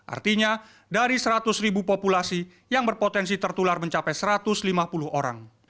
artinya dari seratus ribu populasi yang berpotensi tertular mencapai satu ratus lima puluh orang